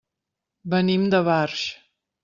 Venim de Barx.